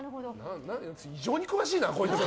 異常に詳しいな、こいつ！